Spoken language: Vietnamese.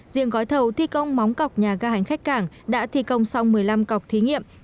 riêng gói thầu thi công móng cọc nhà ga hành khách cảng đã thi công xong một mươi năm cọc thí nghiệm